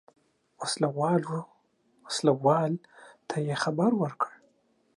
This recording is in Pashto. اوسلوال ته یې خبر ورکړ.